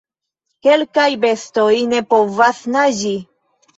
Kelkaj bestoj ne povas naĝi.